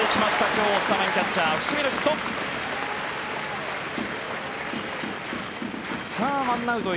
今日、スタメンキャッチャー伏見のヒット。